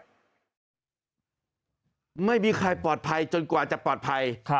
ไม่มีใครปลอดภัยจนกว่าจะปลอดภัย